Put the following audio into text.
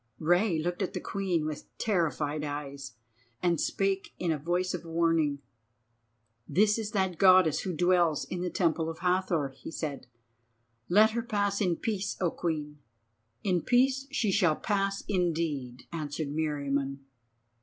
Rei looked at the Queen with terrified eyes, and spake in a voice of warning. "This is that Goddess who dwells in the Temple of Hathor," he said. "Let her pass in peace, O Queen." "In peace she shall pass indeed," answered Meriamun.